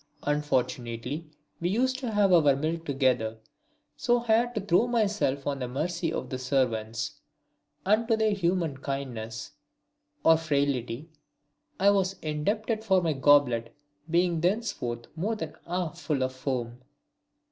Unfortunately we used to have our milk together. So I had to throw myself on the mercy of the servants; and to their human kindness (or frailty) I was indebted for my goblet being thenceforth more than half full of foam.